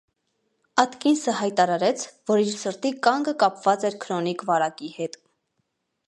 Աթկինսը հայարարեց, որ իր սրտի կանգը կապված էր քրոնիկ վարակի հետ։